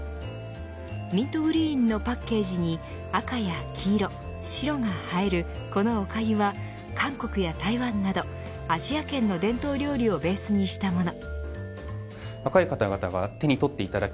ミントグリーンのパッケージに赤や黄色白が映えるこのおかゆは韓国や台湾などアジア圏の伝統料理をベースにしたもの。